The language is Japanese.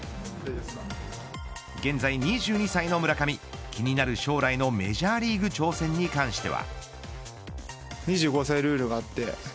現在２２歳の村上気になる将来のメジャーリーグ挑戦に関しては。